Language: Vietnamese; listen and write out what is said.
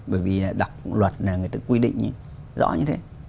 bởi vì đọc luật người ta quy định rõ như thế